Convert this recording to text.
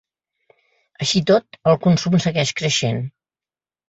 Així i tot el consum segueix creixent.